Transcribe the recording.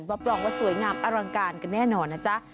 วับร้องว่าสวยงามอลังการกันแน่นอน